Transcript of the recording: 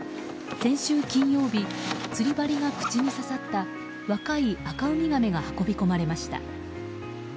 先週金曜日釣り針が口に刺さった若いアカウミガメが運び込まれました。